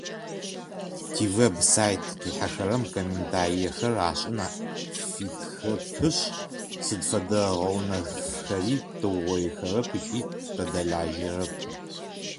Тивеб-сайт къихьэрэм комментариехэр ашӏын фитхэпышъ, сыд фэдэ гъэунэфхэри тыугъоихэрэп ыкӏи тадэлажьэрэп.